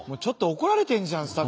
ちょっと怒られてるじゃん